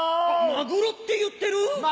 マグロって言ってる？